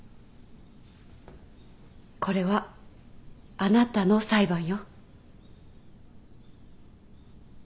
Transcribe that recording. これはあなたの裁判よ